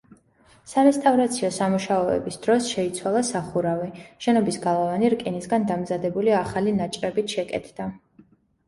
სარესტავრაციო სამუშაოების დროს შეიცვალა სახურავი, შენობის გალავანი რკინისგან დამზადებული ახალი ნაჭრებით შეკეთდა.